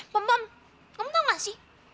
pem pem kamu tau gak sih